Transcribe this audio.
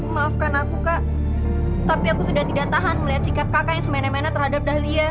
maafkan aku kak tapi aku sudah tidak tahan melihat sikap kakak yang semena mena terhadap dahlia